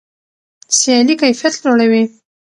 سیالي کیفیت لوړوي.